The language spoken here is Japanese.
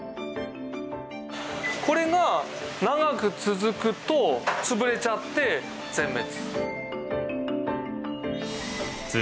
これが長く続くと潰れちゃって全滅。